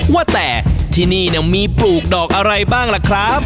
ว่าแต่ที่นี่มีปลูกดอกอะไรบ้างล่ะครับ